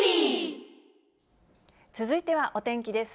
続いてはお天気です。